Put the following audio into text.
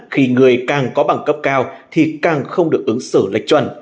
khi người càng có bằng cấp cao thì càng không được ứng xử lệch chuẩn